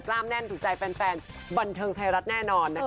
แน่นถูกใจแฟนบันเทิงไทยรัฐแน่นอนนะคะ